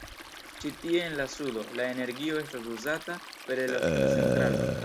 Ĉi tie en la sudo, la energio estas uzata per elektrocentralo.